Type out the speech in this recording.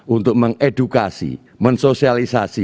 untuk mengedukasi mensosialisasi